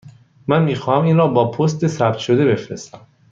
من می خواهم این را با پست ثبت شده بفرستم.